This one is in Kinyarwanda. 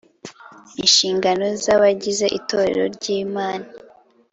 Inshingano z abagize itorero ryimana